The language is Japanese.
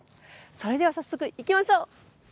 それでは早速行きましょう。